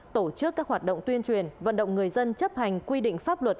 tổ chức các hoạt động tuyên truyền vận động người dân chấp hành quy định pháp luật